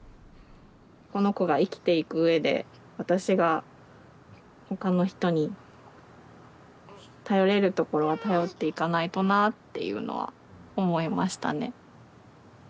この子が生きていくうえで私が他の人に頼れるところは頼っていかないとなっていうのは思いましたね。